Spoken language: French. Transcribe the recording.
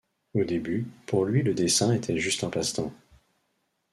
Au début, pour lui le dessin était juste un passe temps.